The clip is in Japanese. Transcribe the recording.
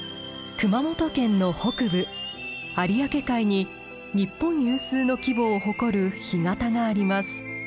熊本県の北部有明海に日本有数の規模を誇る干潟があります。